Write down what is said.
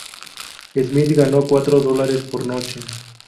Smith ganó cuatro dólares por noche.